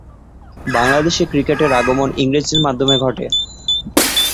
বাংলাদেশে ক্রিকেটের আগমন ইংরেজদের মাধ্যমে।